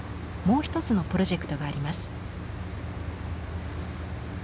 もう一つのプロジェクトがあります。